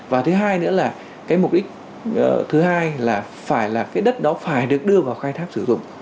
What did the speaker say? và thứ hai nữa là mục đích thứ hai là đất đó phải được đưa vào khai tháp sử dụng